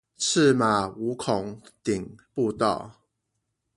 赤馬五孔頂步道